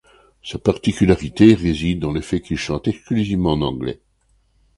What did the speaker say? Sa particularité réside dans le fait qu’il chante exclusivement en anglais.